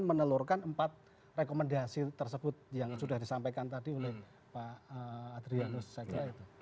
menelurkan empat rekomendasi tersebut yang sudah disampaikan tadi oleh pak adrianus saya kira itu